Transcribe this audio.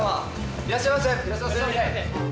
いらっしゃいませ。